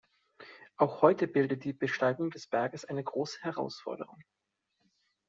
Auch heute bildet die Besteigung des Berges eine große Herausforderung.